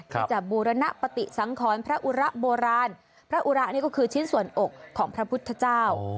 ที่จะบูรณปฏิสังขรพระอุระโบราณพระอุระนี่ก็คือชิ้นส่วนอกของพระพุทธเจ้า